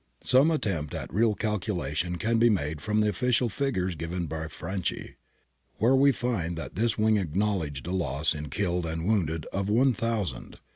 Some attempt at real calculation can be made from the official figures given by Franci. We there find that this wing acknowledged a loss in killed and wounded of about 1000 {Franci, ii.